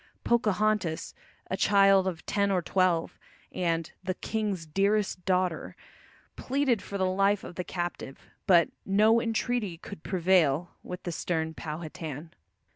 Pocahontas, a child of ten or twelve, and "the king's dearest daughter," pleaded for the life of the captive. But "no entreaty could prevail" with the stern Powhatan.